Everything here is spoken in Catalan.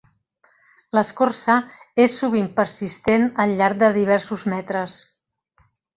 L'escorça és sovint persistent al llarg de diversos metres.